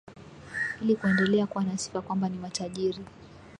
ili kuendelea kuwa na sifa kwamba ni matajiri